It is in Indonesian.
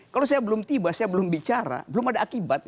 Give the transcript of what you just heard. kalau saya belum tiba saya belum bicara belum ada akibat